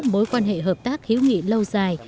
mối quan hệ hợp tác hữu nghị lâu dài